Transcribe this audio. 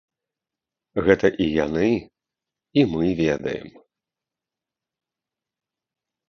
Гэта і яны, і мы ведаем.